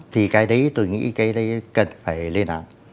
thì cái đấy tôi nghĩ cái đấy cần phải lên án